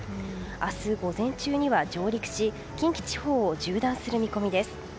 明日午前中には上陸し近畿地方を縦断する見込みです。